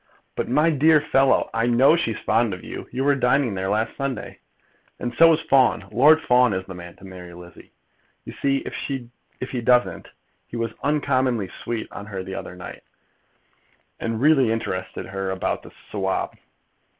"But, my dear fellow " "I know she's fond of you. You were dining there last Sunday. "And so was Fawn. Lord Fawn is the man to marry Lizzie. You see if he doesn't. He was uncommonly sweet on her the other night, and really interested her about the Sawab."